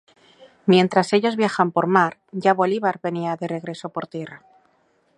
Mientras ellos viajan por mar, ya Bolívar venía de regreso por tierra.